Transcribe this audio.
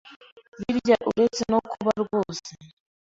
Birya uretse no kuba rwose